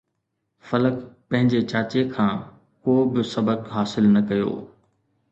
فلڪ پنهنجي چاچي کان ڪو به سبق حاصل نه ڪيو